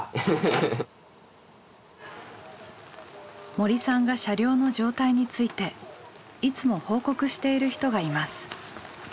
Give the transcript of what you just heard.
森さんが車両の状態についていつも報告している人がいます。